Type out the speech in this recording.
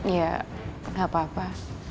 ya gak apa apa